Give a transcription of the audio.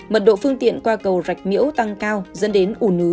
mật độ phương tiện qua cầu rạch miễu tăng cao dẫn đến ủ nứ